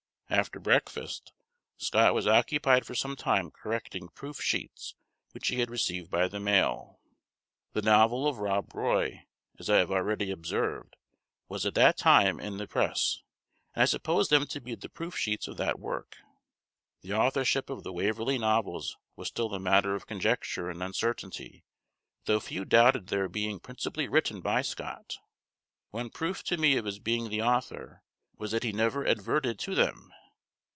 After breakfast, Scott was occupied for some time correcting proof sheets which he had received by the mail. The novel of Rob Roy, as I have already observed, was at that time in the press, and I supposed them to be the proof sheets of that work. The authorship of the Waverley novels was still a matter of conjecture and uncertainty; though few doubted their being principally written by Scott. One proof to me of his being the author, was that he never adverted to them.